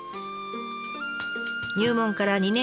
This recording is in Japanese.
入門から２年半。